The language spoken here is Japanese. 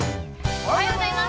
◆おはようございます。